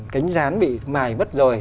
cánh rán bị mài mất rồi